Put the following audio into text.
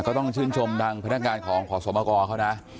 ก็ต้องชื่นชมทางพนักงานของขอสมกรเขานะ